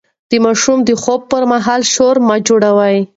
د ماشوم د خوب پر مهال شور مه جوړوئ.